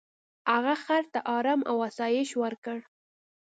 هغه خر ته ارام او آسایش ورکړ.